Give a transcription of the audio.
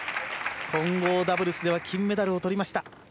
混合ダブルスでは金メダルをとりました。